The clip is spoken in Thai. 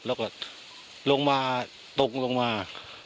แล้วก็ลงมาตรงลงมา